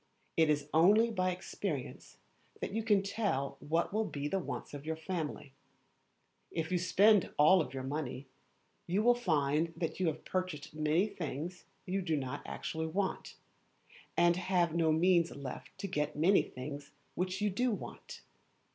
It is only by experience that you can tell what will be the wants of your family. If you spend all your money, you will find you have purchased many things you do not actually want, and have no means left to get many things which you do want.